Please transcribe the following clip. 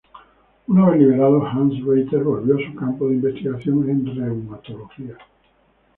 Una vez liberado, Hans Reiter volvió a su campo de investigación en reumatología.